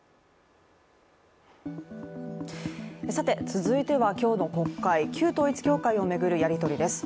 続いては、今日の国会、旧統一教会を巡るやり取りです。